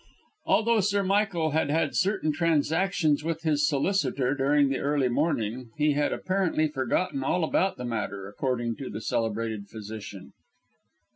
Although Sir Michael had had certain transactions with his solicitor during the early morning, he had apparently forgotten all about the matter, according to the celebrated physician.